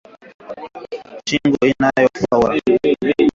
Shingo iliyofura